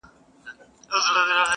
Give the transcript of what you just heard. دا پېښه د ټولنې پر ذهن ژور اثر پرېږدي